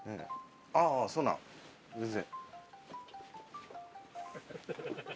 ああそんな全然。